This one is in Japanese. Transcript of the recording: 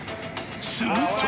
［すると］